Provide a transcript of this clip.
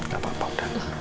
gak apa apa udah